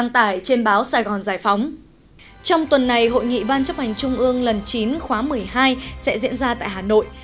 trong tuần này hội nghị ban chấp hành trung ương lần chín khóa một mươi hai sẽ diễn ra tại hà nội